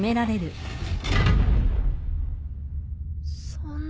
そんな。